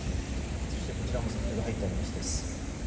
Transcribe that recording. そして、こちらも先ほど入ったニュースです。